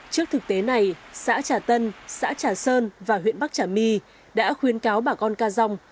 trước thực tế này xã trà tân xã trà sơn và huyện bắc trà my đã khuyên cáo bà con ca dòng